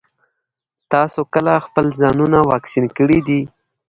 تاسو کله خپل ځانونه واکسين کړي دي؟